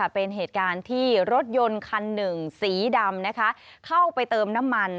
เป็นเหตุการณ์ที่รถยนต์คันหนึ่งสีดำเข้าไปเติมน้ำมัน